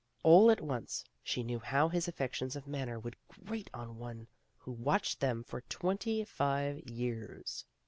All at once she knew how his affections of manner would grate on one who watched them for twenty five years."